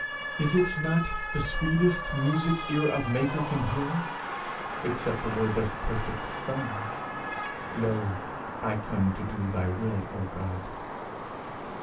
Is it not the sweetest music ear of maker can hear? except the word of perfect son, 'Lo, I come to do thy will, O God!'